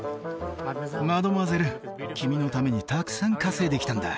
マドモアゼル君のためにたくさん稼いできたんだ